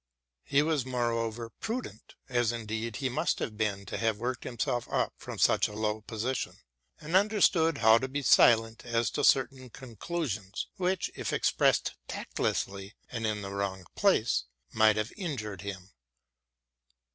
He was more over prudent, as indeed he must have been to have worked himself up from such a low position, and understood how to be silent as to certain conclusions, which, if expressed tactlessly and in the wrong place, might have injured him.